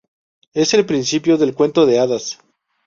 Es el principio del cuento de hadas.